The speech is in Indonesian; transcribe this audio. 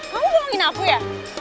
kamu bohongin aku ya